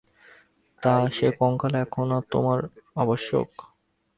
তা, সে কঙ্কালে এখন আর তোমার আবশ্যক?